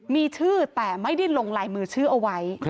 มีชื่อแต่ไม่ได้ลงลายมือชื่อเอาไว้